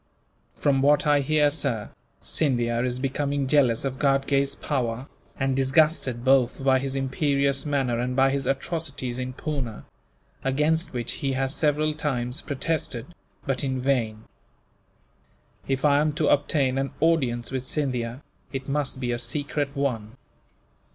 "From what I hear, sir, Scindia is becoming jealous of Ghatgay's power, and disgusted both by his imperious manner and by his atrocities in Poona against which he has several times protested, but in vain. If I am to obtain an audience with Scindia, it must be a secret one."